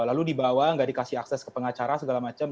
lalu dibawa nggak dikasih akses ke pengacara segala macam